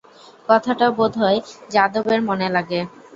কথাটা বোধ হয় যাদবের মনে লাগে।